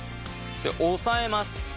押さえます。